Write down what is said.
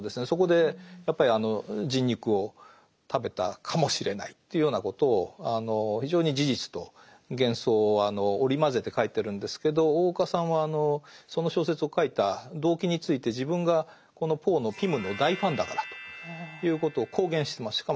そこでやっぱり人肉を食べたかもしれないというようなことを非常に事実と幻想を織り交ぜて書いてるんですけど大岡さんはその小説を書いた動機について自分がこのポーの「ピム」の大ファンだからということを公言してます。